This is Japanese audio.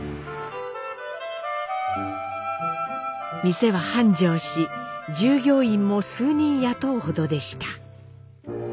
店は繁盛し従業員も数人雇うほどでした。